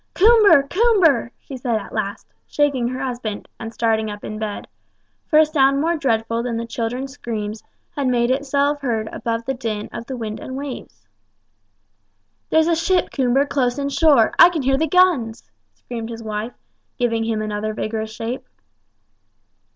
"Coomber! Coomber!" she said at last, shaking her husband, and starting up in bed; for a sound more dreadful than the children's screams had made itself heard above the din of the wind and waves. "There's a ship, Coomber, close in shore; I can hear the guns!" screamed his wife, giving him another vigorous shake.